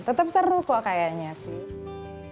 tetap seru kok kayaknya sih